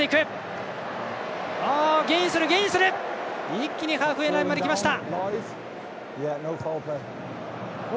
一気にハーフウェーラインまできました。